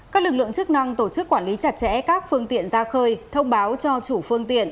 các lực lượng chức năng tổ chức quản lý chặt chẽ các phương tiện ra khơi thông báo cho chủ phương tiện